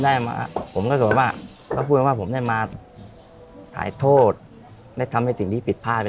ตอนนี้อยากจะมีมากเลยแต่มีไม่ได้